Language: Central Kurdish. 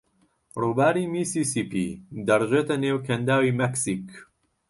ڕووباری میسیسیپی دەڕژێتە نێو کەنداوی مەکسیک.